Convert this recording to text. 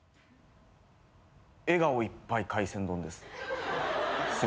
笑顔いっぱい海鮮丼です。